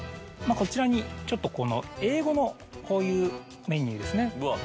こちらに英語のこういうメニューですね。